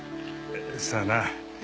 さあな。